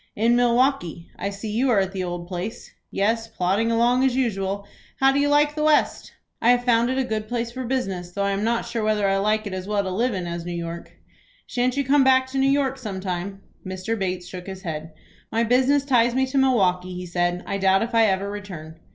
"In Milwaukie. I see you are at the old place." "Yes, plodding along as usual. How do you like the West?" "I have found it a good place for business, though I am not sure whether I like it as well to live in as New York." "Shan't you come back to New York some time?" Mr. Bates shook his head. "My business ties me to Milwaukie," he said. "I doubt if I ever return."